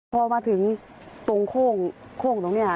พอมาถึงตรงโค้งโค้งตรงนี้อ่ะ